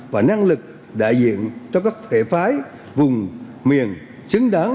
và năng lực đại diện cho các thể phái vùng miền chứng đáng